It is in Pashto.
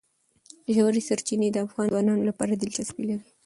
ژورې سرچینې د افغان ځوانانو لپاره دلچسپي لري.